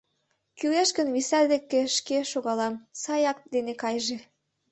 Кӱлеш гын, виса деке шке шогалам, сай ак дене кайыже.